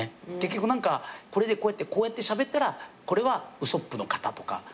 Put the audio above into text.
結局何かこれでこうやってこうやってしゃべったらこれはウソップの型とか。